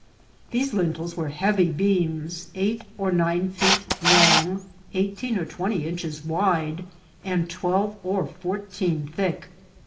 These lintels were heavy beams, eight or nine feet long, eighteen or twenty inches wide, and twelve or fourteen thick.